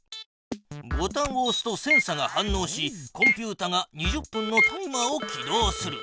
ボタンをおすとセンサが反のうしコンピュータが２０分のタイマーを起動する。